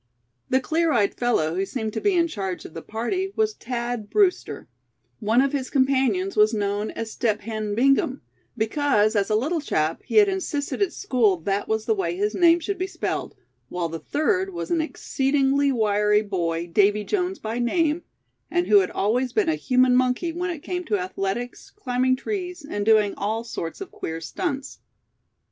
The clear eyed fellow who seemed to be in charge of the party was Thad Brewster; one of his companions was known as Step Hen Bingham, because, as a little chap he had insisted at school that was the way his name should be spelled, while the third was an exceedingly wiry boy, Davy Jones by name, and who had always been a human monkey when it came to athletics, climbing trees, and doing all sorts of queer stunts.